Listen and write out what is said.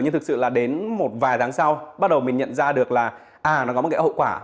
nhưng thực sự là đến một vài tháng sau bắt đầu mình nhận ra được là à nó có một cái hậu quả